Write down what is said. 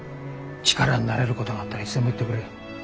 力になれることがあったらいつでも言ってくれ。